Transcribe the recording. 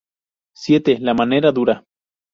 Siete... la manera dura.